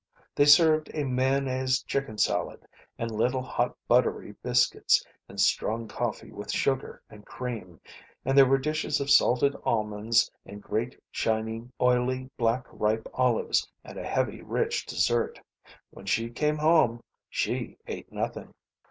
They served a mayonnaise chicken salad, and little hot buttery biscuits, and strong coffee with sugar and cream, and there were dishes of salted almonds, and great, shining, oily, black ripe olives, and a heavy, rich dessert. When she came home she ate nothing.